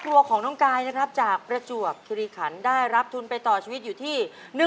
ครอบครัวของน้องกายนะครับจากประจวบคิริขันได้รับทุนไปต่อชีวิตอยู่ที่